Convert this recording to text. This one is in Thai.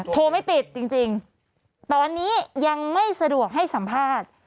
โทรไม่ติดจริงตอนนี้ยังไม่สะดวกให้สัมภาษณ์